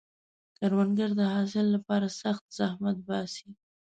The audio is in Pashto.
کروندګر د حاصل لپاره سخت زحمت باسي